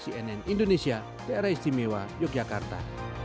cnn indonesia daerah istimewa yogyakarta